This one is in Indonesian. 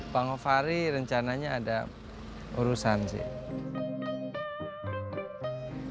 bang fahri rencananya ada urusan sih